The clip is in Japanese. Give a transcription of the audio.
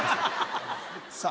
さあ